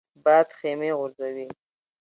باد خیمې غورځوي